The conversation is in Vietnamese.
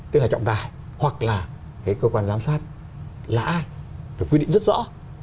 tức là trọng tài hoặc là cái cơ quan giám sát là ai phải quy định rất rõ